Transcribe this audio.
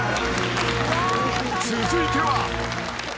［続いては］